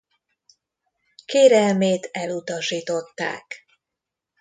Kérelmét elutasították.